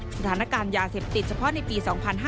สถานการณ์ยาเสพติดเฉพาะในปี๒๕๕๙